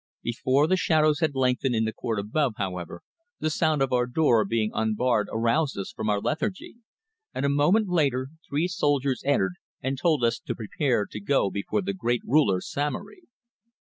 Before the shadows had lengthened in the court above, however, the sound of our door being unbarred aroused us from our lethargy, and a moment later, three soldiers entered and told us to prepare to go before the great ruler Samory.